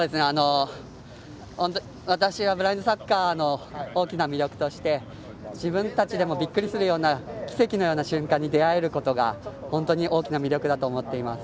私はブラインドサッカーの大きな魅力として自分たちでもびっくりするような奇跡のような瞬間に出会えることが本当に大きな魅力だと思っています。